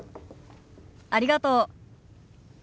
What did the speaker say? ありがとう。